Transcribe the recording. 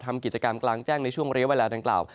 ทำกิจกรรมกลางแจ้งในช่วงเรียกเวลาดังกล่าว